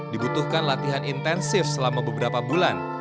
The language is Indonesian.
dibutuhkan latihan intensif selama beberapa bulan